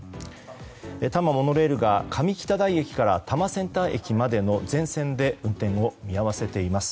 多摩モノレールが上北台駅から多摩センター駅までの全線で運転を見合わせています。